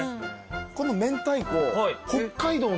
この明太子北海道の。